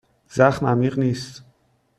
زخم عمیق نیست.